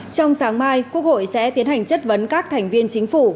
trong sáng mai quốc hội sẽ tiến hành chất vấn các thành viên chính phủ